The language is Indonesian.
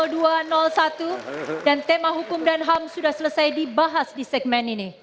dan tema hukum dan ham sudah selesai dibahas di segmen ini